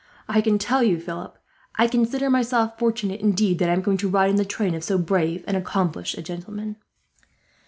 I can tell you, Philip, I consider myself fortunate indeed that I am going to ride in the train of so brave and accomplished a gentleman."